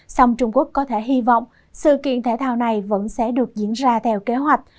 song trung quốc có thể hy vọng sự kiện thể thao này vẫn sẽ được diễn ra theo kế hoạch